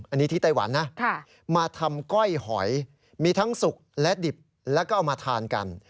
อันนี้ที่ไต้หวันนะมาทำก้อยหอยมีทั้งสุกและดิบแล้วก็เอามาทานกัน